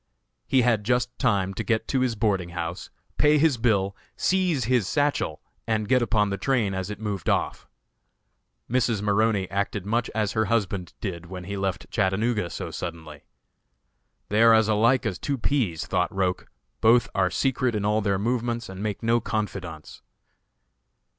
He had just time to get to his boarding house, pay his bill, seize his satchel, and get upon the train as it moved off. Mrs. Maroney acted much as her husband did when he left Chattanooga so suddenly. "They are as alike as two peas," thought Roch; "both are secret in all their movements, and make no confidants."